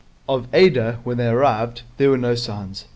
Of Ada, when they arrived, there were no signs.